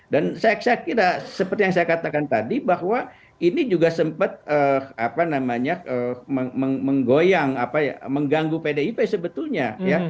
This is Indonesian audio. dan saya kira seperti yang saya katakan tadi bahwa ini juga sempat menggoyang mengganggu pdip sebetulnya